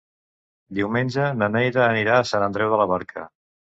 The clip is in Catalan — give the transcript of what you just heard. Diumenge na Neida anirà a Sant Andreu de la Barca.